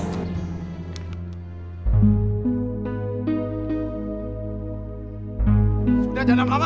sudah jangan lama lama